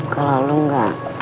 kalau lo gak